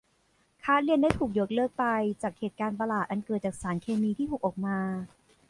คลาสเรียนได้ถูกยกเลิกไป จากเหตุการณ์ประหลาดอันเกิดจากสารเคมีที่หกออกมา